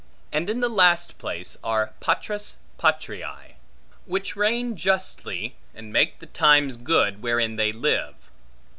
And in the last place are patres patriae; which reign justly, and make the times good wherein they live.